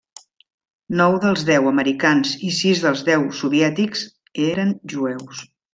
Nou dels deu americans i sis dels deu soviètics eren jueus.